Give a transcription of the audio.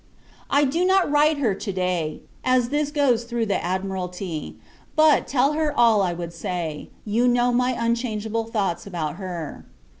I do not write to her to day, as this goes through the Admiralty; but, tell her all I would say. You know my unchangeable thoughts about her.